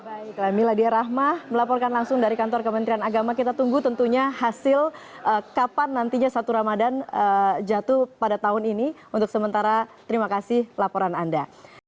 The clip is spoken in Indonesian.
baiklah miladia rahma melaporkan langsung dari kantor kementerian agama kita tunggu tentunya hasil kapan nantinya satu ramadan jatuh pada tahun ini untuk sementara terima kasih laporan anda